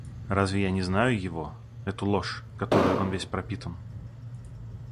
Разве я не знаю его, эту ложь, которою он весь пропитан?..